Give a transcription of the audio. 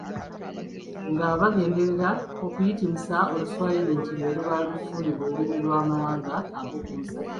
nga bagenderera okuyitimusa Oluswayiri nti lwe luba lufuulibwa olulimi lw’Amawanga ago gonsatule.